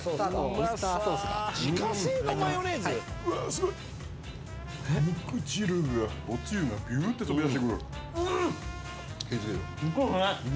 すごい。おつゆがびゅーって飛び出してくる。